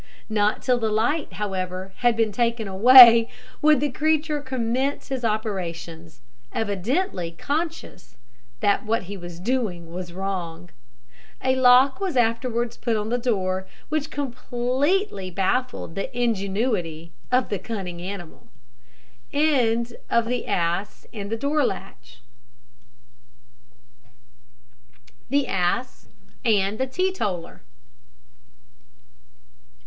Not till the light, however, had been taken away, would the creature commence his operations, evidently conscious that he was doing wrong. A lock was afterwards put on the door, which completely baffled the ingenuity of the cunning animal. THE ASS AND THE TEETOTALLER.